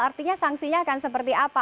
artinya sanksinya akan seperti apa